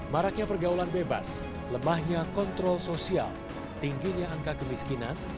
maraknya pergaulan bebas lemahnya kontrol sosial tingginya angka kemiskinan